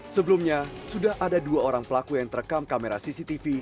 sebelumnya sudah ada dua orang pelaku yang terekam kamera cctv